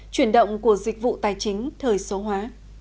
chuyển động của dịch vụ tài chính thời số hóa